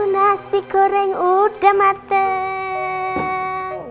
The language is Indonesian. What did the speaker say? nasi goreng udah mateng